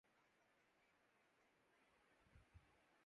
یے پاون ہے